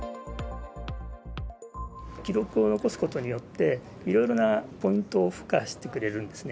記録を残すことによって、いろいろなポイントを付加してくれるんですね。